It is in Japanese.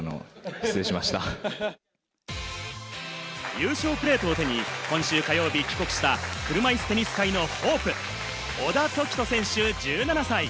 優勝プレートを手に今週火曜日帰国した車いすテニス界のホープ・小田凱人選手、１７歳。